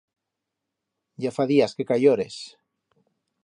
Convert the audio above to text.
Ya fa días que cayiores.